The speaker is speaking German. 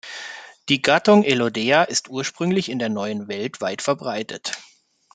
Die Gattung "Elodea" ist ursprünglich in der Neuen Welt weitverbreitet.